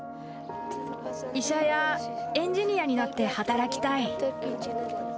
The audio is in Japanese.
医者やエンジニアになって、働きたい。